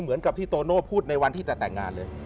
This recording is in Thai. เหมือนกับที่โตโน่พูดในวันที่จะแต่งงานเลย